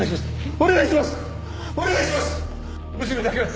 お願いします！